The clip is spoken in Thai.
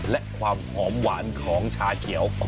และความหอมหวานของชาเขียว